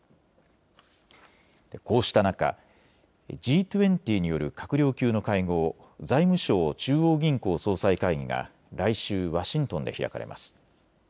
こうした中、Ｇ２０による閣僚級の会合、財務相・中央銀行総裁会議が来週、ワシントンで開かれます。